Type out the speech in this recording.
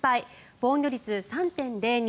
防御率、３．０２。